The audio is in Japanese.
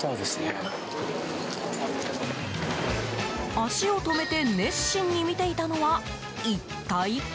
足を止めて熱心に見ていたのは一体？